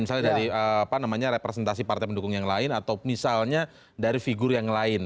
misalnya dari representasi partai pendukung yang lain atau misalnya dari figur yang lain